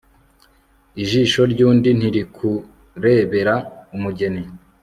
ijisho ry'undi ntirikurebera umugeni